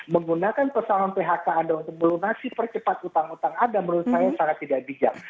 menggunakan persoalan phk anda untuk melunasi percepat utang utang anda menurut saya sangat tidak bijak